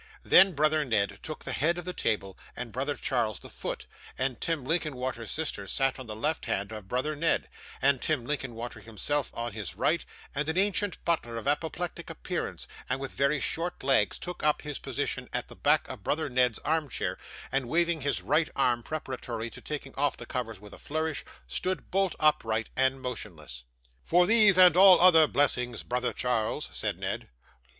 Then, brother Ned took the head of the table, and brother Charles the foot; and Tim Linkinwater's sister sat on the left hand of brother Ned, and Tim Linkinwater himself on his right: and an ancient butler of apoplectic appearance, and with very short legs, took up his position at the back of brother Ned's armchair, and, waving his right arm preparatory to taking off the covers with a flourish, stood bolt upright and motionless. 'For these and all other blessings, brother Charles,' said Ned.